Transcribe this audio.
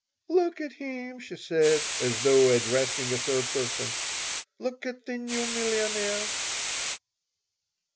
"Look at him," she said, as though addressing a third person. "Look at the new millionaire."